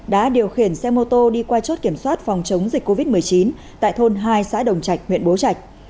đã điều khiển xe mô tô đi qua chốt kiểm soát phòng chống dịch covid một mươi chín tại thôn hai xã đồng trạch huyện bố trạch